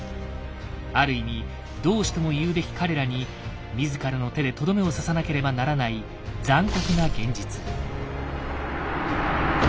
ある意味同志とも言うべき彼らに自らの手でとどめを刺さなければならない残酷な現実。